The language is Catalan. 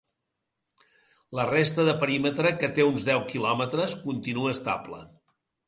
La resta de perímetre, que té uns deu quilometres, continua estable.